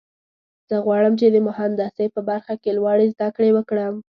زه غواړم چې د مهندسۍ په برخه کې لوړې زده کړې وکړم